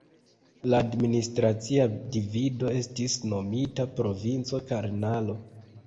La administracia divido estis nomita Provinco Karnaro.